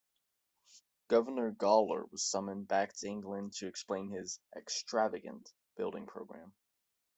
Governor Gawler was summoned back to England to explain his "extravagant" building program.